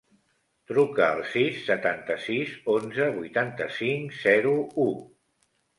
Truca al sis, setanta-sis, onze, vuitanta-cinc, zero, u.